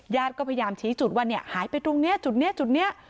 ก็พยายามชี้จุดว่าหายไปตรงนี้จุดนี้จุดนี้